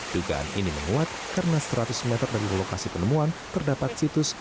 dugaan ini menguat karena seratus meter dari lokasi penemuan terdapat situs